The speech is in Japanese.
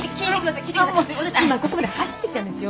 私今ここまで走ってきたんですよ。